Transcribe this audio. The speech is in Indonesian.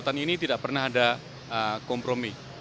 kegiatan ini tidak pernah ada kompromi